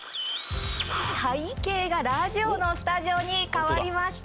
背景がラジオのスタジオに変わりました。